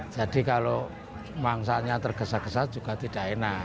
jadi kalau mangsanya tergesa gesa juga tidak enak